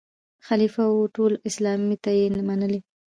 خلیفه وو ټول اسلام ته وو منلی